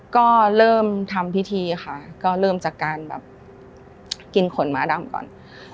ก็เริ่มทำพิธีค่ะก็เริ่มจากการแบบกินขนม้าดำก่อน